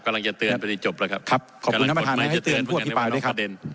กำลังจะเตือนพอที่จบแล้วครับครับขอบคุณน้ำประทานนั้นให้เตือนผู้อภิปรายด้วยครับ